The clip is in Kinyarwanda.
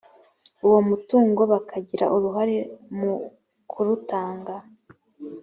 uwo mutungo bakagira uruhare mu kurutanga